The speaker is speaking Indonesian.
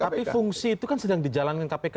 tapi fungsi itu kan sedang dijalankan kpk